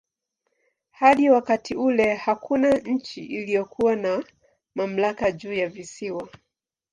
Hadi wakati ule hakuna nchi iliyokuwa na mamlaka juu ya visiwa.